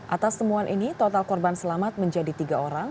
atas temuan ini total korban selamat menjadi tiga orang